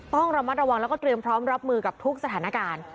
ต้องระมัดระวังแล้วก็เตรียมพร้อมรับมือกับทุกสถานการณ์